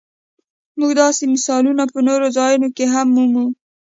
موږ داسې مثالونه په نورو ځایونو کې هم مومو.